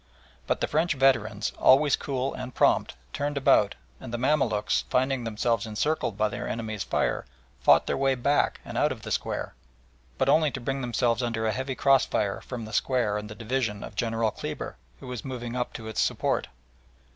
But the French veterans, always cool and prompt, turned about, and the Mamaluks, finding themselves encircled by their enemies' fire, fought their way back and out of the square, but only to bring themselves under a heavy crossfire from the square and the division of General Kleber, who was moving up to its support.